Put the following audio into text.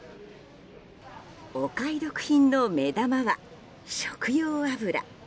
お買い得品の目玉は食用油。